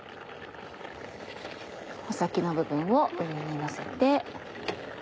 穂先の部分を上にのせて。